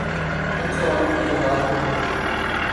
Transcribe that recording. ان سوالوں کے جواب تو ہوں۔